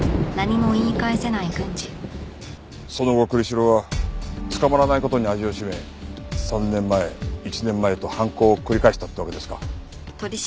その後栗城は捕まらない事に味を占め３年前１年前と犯行を繰り返したってわけですか。